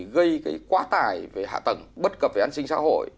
gây quá tài về hạ tầng bất cập về an sinh xã hội